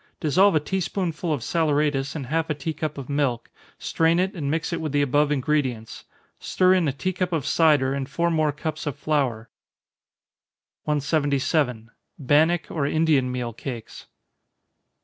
Dissolve a tea spoonful of saleratus in half a tea cup of milk, strain it, and mix it with the above ingredients stir in a tea cup of cider, and four more cups of flour. 177. _Bannock or Indian Meal Cakes.